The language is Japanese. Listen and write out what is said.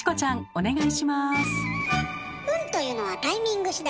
お願いします。